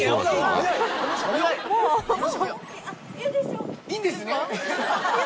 いいんですね。